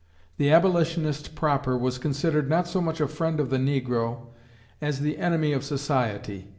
The Abolitionist proper was considered not so much a friend of the negro as the enemy of society.